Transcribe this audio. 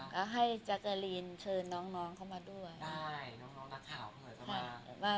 ก็ให้แจ๊กกะลีนเชิญน้องน้องเข้ามาด้วยได้น้องน้องนักข่าวด้วยเขามา